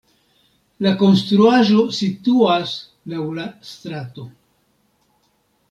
La konstruaĵo situas laŭ la strato.